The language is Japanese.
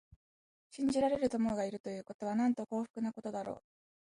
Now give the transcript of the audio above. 信じられる友がいるということは、なんと幸福なことだろう。